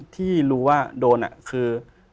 ที่รู้ว่าโดนคือ